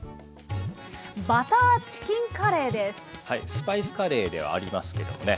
スパイスカレーではありますけどもね